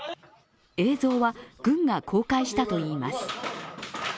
映像は軍が公開したといいます。